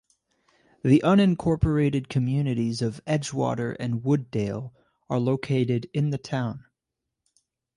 The unincorporated communities of Edgewater and Wooddale are located in the town.